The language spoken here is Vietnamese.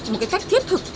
một cái cách thiết thực